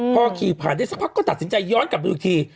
พอขี่ผ่านได้สักพักก็ตัดสินใจย้อนกลับไปดูอีกที